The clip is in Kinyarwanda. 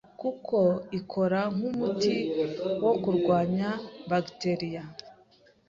kuko ikora nk’umuti wo kurwanya “bacteria”